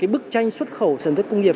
bức tranh xuất khẩu sản xuất công nghiệp